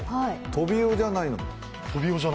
トビウオじゃないの？